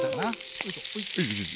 よいしょ。